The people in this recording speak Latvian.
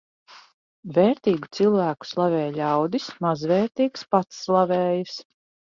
Vērtīgu cilvēku slavē ļaudis, mazvērtīgs pats slavējas.